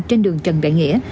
trên đường trần đại nghĩa